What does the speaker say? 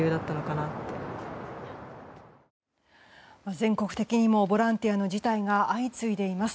全国的にもボランティアの辞退が相次いでいます。